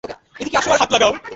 এদিকে আসো আর হাত লাগাও।